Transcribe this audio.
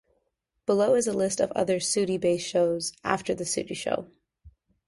Below is a list of other Sooty-based shows, after The Sooty Show.